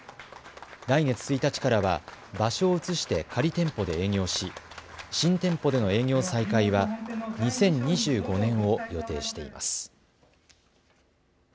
来月１日からは場所を移して仮店舗で営業し新店舗での営業再開は２０２５年を予定しています。